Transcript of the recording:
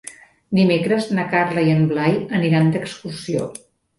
Dimecres na Carla i en Blai aniran d'excursió.